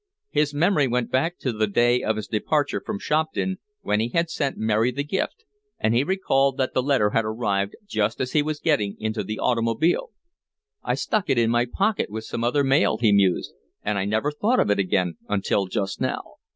His memory went back to the day of his departure from Shopton when he had sent Mary the gift, and he recalled that the letter had arrived just as he was getting into the automobile. "I stuck it in my pocket with some other mail," he mused, "and I never thought of it again until just now.